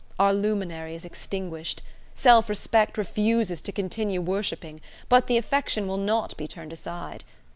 Our luminary is extinguished. Self respect refuses to continue worshipping, but the affection will not be turned aside.